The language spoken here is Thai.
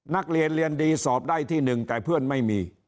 นักเรียนเรียนดีสอบได้ที่หนึ่งแต่เพื่อนไม่มี